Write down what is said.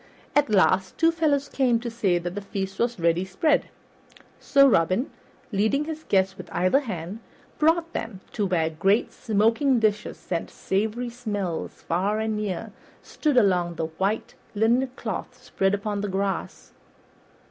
At last two fellows came to say that the feast was ready spread, so Robin, leading his guests with either hand, brought them to where great smoking dishes that sent savory smells far and near stood along the white linen cloth spread on the grass.